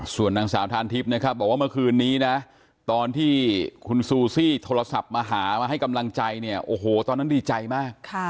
ส่วนนางสาวทานทิพย์นะครับบอกว่าเมื่อคืนนี้นะตอนที่คุณซูซี่โทรศัพท์มาหามาให้กำลังใจเนี่ยโอ้โหตอนนั้นดีใจมาก